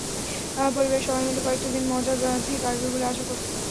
পরিবারের সবাই মিলে কয়েকটা দিন মজার মধ্যেই কাটবে বলে আশা করছি।